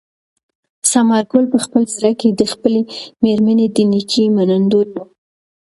ثمر ګل په خپل زړه کې د خپلې مېرمنې د نېکۍ منندوی و.